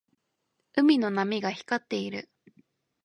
海の波が光っている。